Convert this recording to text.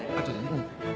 うん。